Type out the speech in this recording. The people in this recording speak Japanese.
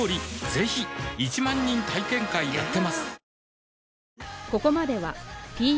ぜひ１万人体験会やってますはぁ。